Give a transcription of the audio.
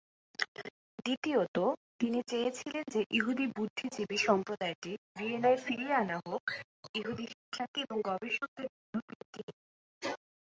দ্বিতীয়ত, তিনি চেয়েছিলেন যে ইহুদি বুদ্ধিজীবী সম্প্রদায়টি ভিয়েনায় ফিরিয়ে আনা হোক, ইহুদি শিক্ষার্থী এবং গবেষকদের জন্য বৃত্তি নিয়ে।